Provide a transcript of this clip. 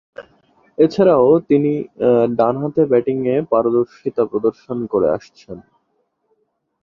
এছাড়াও, তিনি ডানহাতে ব্যাটিংয়ে পারদর্শীতা প্রদর্শন করে আসছেন।